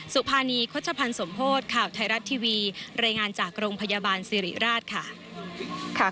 สุภานีโฆษภัณฑ์สมโพธิ์ข่าวไทยรัฐทีวีรายงานจากโรงพยาบาลสิริราชค่ะ